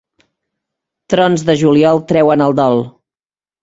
Trons de juliol treuen el dol.